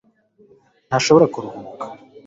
ntashobora kuruhuka